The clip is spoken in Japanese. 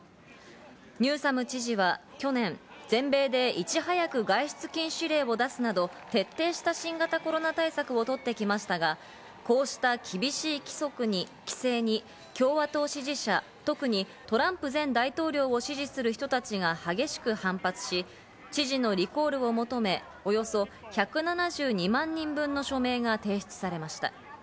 ニューサム知事は去年、全米でいち早く外出禁止令を出すなど徹底した新型コロナ対策を取ってきましたが、こうした厳しい規制に共和党支持者、特にトランプ前大統領を支持する人たちが激しく反発し、知事のリコールを求め、およそ１７２万人分の署名が提出されました。